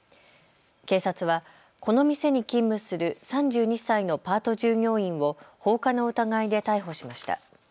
警察はこの店に勤務する３２歳のパート従業員を放火の疑いで逮捕しました。